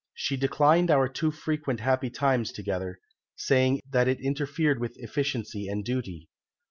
She declined our too frequent happy times together, saying that it interfered with efficiency and duty.